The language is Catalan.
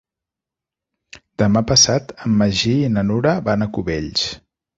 Demà passat en Magí i na Nura van a Cubells.